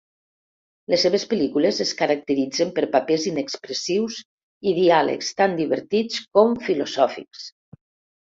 Les seves pel·lícules es caracteritzen per papers inexpressius i diàlegs tant divertits com filosòfics.